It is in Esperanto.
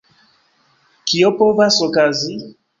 Kio povas okazi?